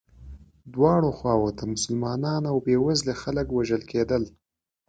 دواړو خواوو ته مسلمانان او بیوزلي خلک وژل کېدل.